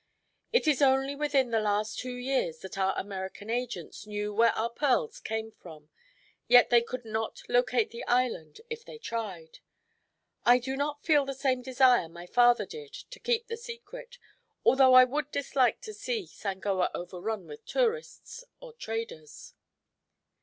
It is only within the last two years that our American agents knew where our pearls came from, yet they could not locate the island if they tried. I do not feel the same desire my father did to keep the secret, although I would dislike to see Sangoa overrun with tourists or traders."